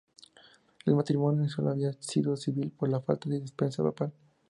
El matrimonio sólo había sido civil por la falta de dispensa papal.